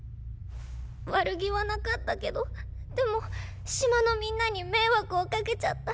悪気はなかったけどでも島のみんなに迷惑をかけちゃった。